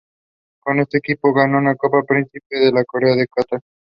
The court then immediately sentenced the defendant to be hanged in the state prison.